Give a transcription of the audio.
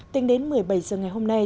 tính đến một mươi bảy h ngày hôm nay